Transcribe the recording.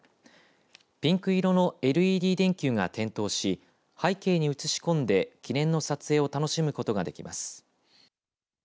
ピンク色のＬＥＤ電球が点灯し背景に写し込んで記念の撮影を楽しむことができます。